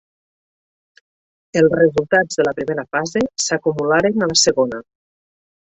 Els resultats de la primera fase s'acumularen a la segona.